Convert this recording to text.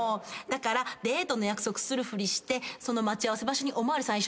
だからデートの約束するふりしてその待ち合わせ場所にお巡りさん